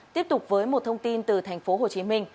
tiếp tục với một thông tin từ thành phố hồ chí minh